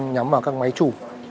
nhắm vào các máy chủ